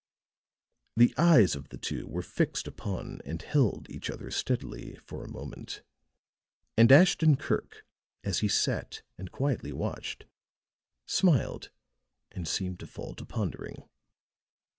The eyes of the two were fixed upon and held each other steadily for a moment; and Ashton Kirk, as he sat and quietly watched, smiled and seemed to fall to pondering.